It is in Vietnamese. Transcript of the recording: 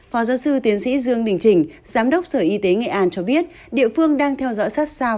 phó giáo sư tiến sĩ dương đình trình giám đốc sở y tế nghệ an cho biết địa phương đang theo dõi sát sao